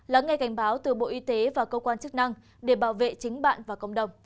lắng nghe cảnh báo từ bộ y tế và cơ quan chức năng để bảo vệ chính bạn và cộng đồng